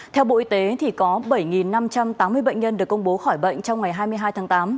theo bộ y tế có bảy năm trăm tám mươi bệnh nhân được công bố khỏi bệnh trong ngày hai mươi hai tháng tám